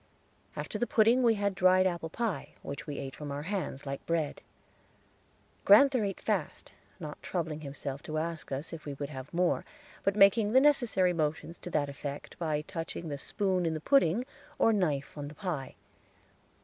After the pudding we had dried apple pie, which we ate from our hands, like bread. Grand'ther ate fast, not troubling himself to ask us if we would have more, but making the necessary motions to that effect by touching the spoon in the pudding or knife on the pie.